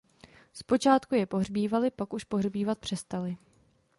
Zpočátku je pohřbívali, pak už pohřbívat přestali.